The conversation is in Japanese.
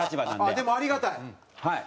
でもありがたい。